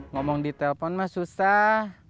ngomong di telpon mah susah